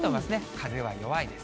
風は弱いです。